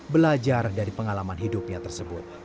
belajar dari pengalaman hidupnya tersebut